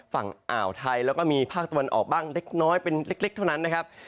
ฝั่งอ่าวไทยแล้วก็มีภาคตะวันออกบ้างเล็กน้อยเป็นเล็กเท่านั้นนะครับ